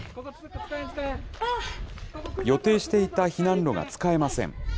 予定していた避難路が使えません。